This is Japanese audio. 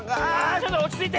ちょっとおちついて！